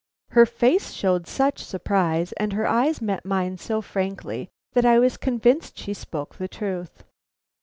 Her face showed such surprise, and her eyes met mine so frankly, that I was convinced she spoke the truth.